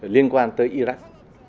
liên quan tới iraq